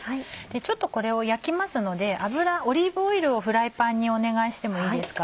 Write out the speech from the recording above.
ちょっとこれを焼きますのでオリーブオイルをフライパンにお願いしてもいいですか。